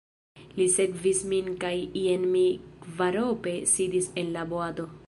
Li sekvis min kaj jen ni kvarope sidis en la boato.